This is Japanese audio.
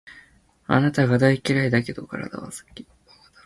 あなたが大嫌いだけど、体は好き